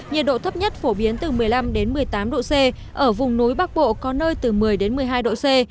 nhiệt độ thấp nhất phổ biến từ một mươi năm một mươi tám độ c ở vùng núi bắc bộ có nơi từ một mươi một mươi hai độ c